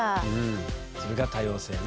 それが多様性ね。